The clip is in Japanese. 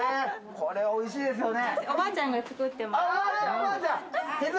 これ、おいしいですよね。